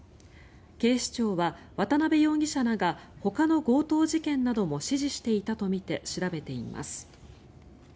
警視庁は渡邉容疑者らがほかの強盗事件なども指示していたとみて調べています。